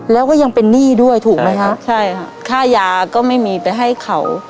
แล้วก็ยังเป็นหนี้ด้วยถูกไหมคะใช่ค่ะค่ายาก็ไม่มีไปให้เขา